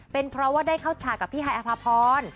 เป็นเพราะว่าได้เข้าฉากกับพี่ฮายอภาพร